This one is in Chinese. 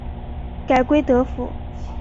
改归德府。